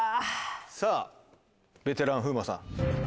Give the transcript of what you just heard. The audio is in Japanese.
さぁベテラン風磨さん。